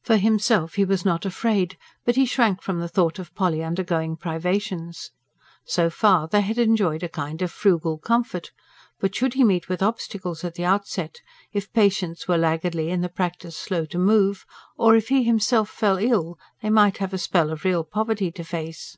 For himself he was not afraid; but he shrank from the thought of Polly undergoing privations. So far, they had enjoyed a kind of frugal comfort. But should he meet with obstacles at the outset: if patients were laggardly and the practice slow to move, or if he himself fell ill, they might have a spell of real poverty to face.